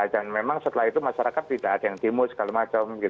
dan memang setelah itu masyarakat tidak ada yang timut segala macam